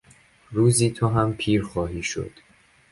روزی تو هم پیر خواهی شد.